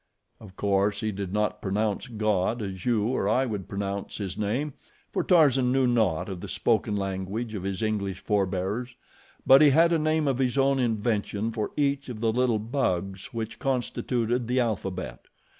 Of course he did not pronounce God as you or I would pronounce His name, for Tarzan knew naught of the spoken language of his English forbears; but he had a name of his own invention for each of the little bugs which constituted the alphabet.